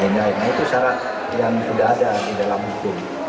nah itu syarat yang sudah ada di dalam hukum